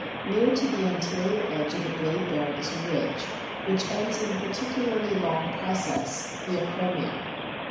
Near to the anterior edge of the blade bone is a ridge, which ends in a particularly long process the acromion.